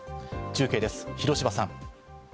中継です、広芝さん。